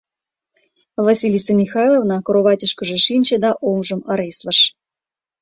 Василиса Михайловна кроватьышкыже шинче да оҥжым ыреслыш.